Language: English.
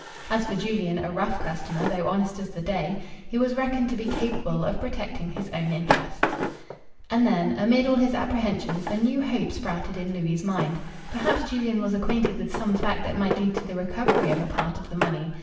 As for Julian, "a rough customer, though honest as the day," he was reckoned to be capable of protecting his own interests. And then, amid all his apprehensions, a new hope sprouted in Louis' mind. Perhaps Julian was acquainted with some fact that might lead to the recovery of a part of the money.